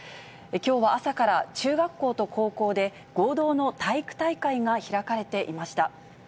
きょうは朝から、中学校と高校で、合同の体育大会が開かれていました。